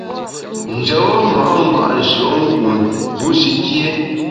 Njebe ma’ ngba’ nshùe’nkun bushi kié.